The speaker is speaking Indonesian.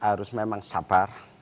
harus memang sabar